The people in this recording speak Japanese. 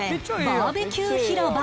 バーベキュー広場